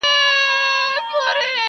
پلار د شپې بې خوبه وي.